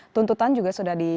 tuntutan juga sudah diberikan